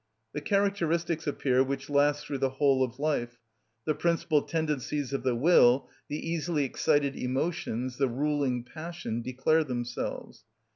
The characteristics appear which last through the whole of life; the principal tendencies of the will, the easily excited emotions, the ruling passion, declare themselves.